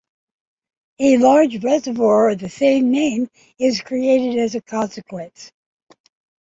A large reservoir of the same name is created as a consequence.